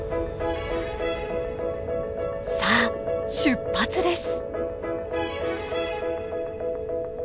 さあ出発です！